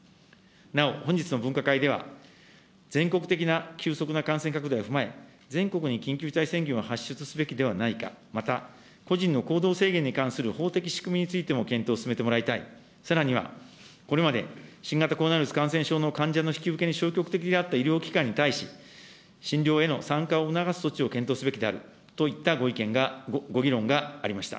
なお本日の分科会では、全国的な急速な感染拡大を踏まえ、全国に緊急事態宣言を発出すべきではないか、また個人の行動制限に関する法的仕組みについても検討を進めてもらいたい、さらには、これまで、新型コロナウイルス感染症の患者の引き受けに消極的であった医療機関に対し、診療への参加を促す措置を検討すべきであるといったご意見が、ご議論がありました。